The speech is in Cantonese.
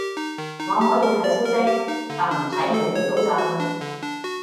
我可以睇消息，但唔使每條都震